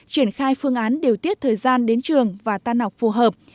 triển khai phương án điều tiết thời gian đến trường và tan học phù hợp